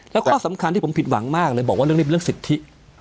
แล้วข้อสำคัญที่ผมผิดหวังมากเลยบอกว่าเรื่องนี้เป็นเรื่องสิทธิ